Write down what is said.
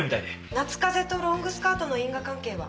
夏風邪とロングスカートの因果関係は？